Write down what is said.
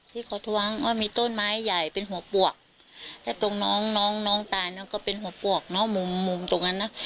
ที่เขาท้วงว่ามีต้นไม้ใหญ่เป็นหัวปวกถ้าตรงน้องน้องน้องตายเนี่ยก็เป็นหัวปวกเนอะมุมมุมตรงนั้นนะ